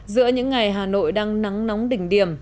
giữa những ngày hà nội đang nắng nóng đỉnh điểm